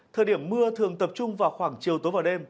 thời điểm mưa thường tập trung vào khoảng chiều tối và đêm